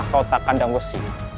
mahkota kandang gosi